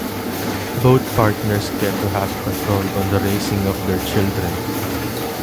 Both partners get to have control on the raising of their children.